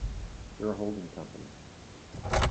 They're a holding company.